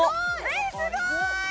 ・えっすごい！